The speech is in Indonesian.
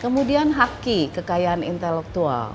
kemudian hakki kekayaan intelektual